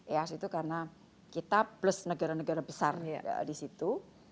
east itu karena kita plus negara negara besar di situ